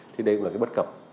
thì đấy cũng là cái bất cập